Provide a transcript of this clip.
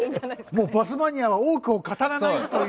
もうバスマニアは多くを語らないという。